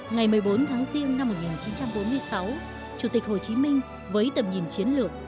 ngày một mươi bốn tháng riêng năm một nghìn chín trăm bốn mươi sáu chủ tịch hồ chí minh với tầm nhìn chiến lược